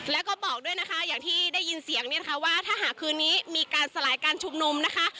แล้วก็บอกด้วยนะคะอย่างที่ได้ยินเสียงเนี่ยนะคะว่าถ้าหากคืนนี้มีการสลายการชุมนุมนะคะ